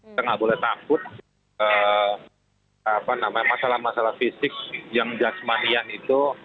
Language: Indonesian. kita nggak boleh takut masalah masalah fisik yang jasmanian itu